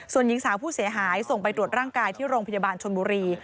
ส่วนหญิงสาวผู้เสียหายส่งไปตรวจร่างกายที่โรงพยาบาลชนบุรี